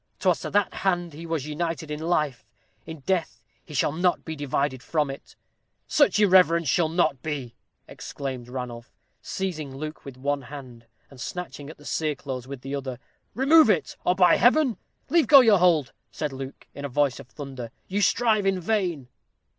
'Twas to that hand he was united in life, in death he shall not be divided from it." "Such irreverence shall not be!" exclaimed Ranulph, seizing Luke with one hand, and snatching at the cereclothes with the other. "Remove it, or by Heaven " "Leave go your hold," said Luke, in a voice of thunder; "you strive in vain."